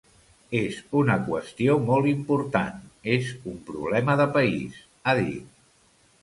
És una qüestió molt important, és un problema de país, ha dit.